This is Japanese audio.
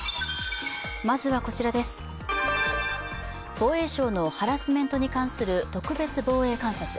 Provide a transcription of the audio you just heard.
防衛省のハラスメントに関する特別防衛監察。